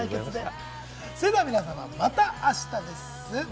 それでは皆様、また明日です。